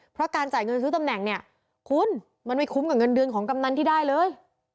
เพราะการจ่ายเงินซื้อตำแหน่งเนี่ยคุณมันไม่คุ้มกับเงินเดือนของกำนันที่ได้เลย